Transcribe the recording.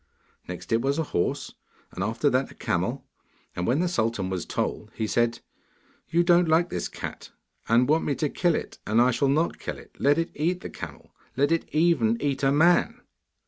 Next it was a horse, and after that a camel, and when the sultan was told he said, 'You don't like this cat, and want me to kill it. And I shall not kill it. Let it eat the camel: let it even eat a man.